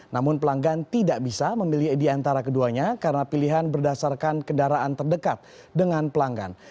namun pelanggan tidak bisa memilih di antara keduanya karena pilihan berdasarkan kendaraan terdekat dengan pelanggan